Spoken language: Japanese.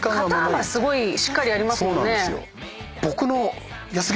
肩幅しっかりありますもんね。